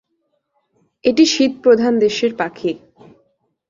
এটি শীত প্রধান দেশের পাখি।